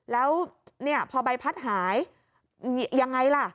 แล้วพอใบพัดหายยังไงล่ะ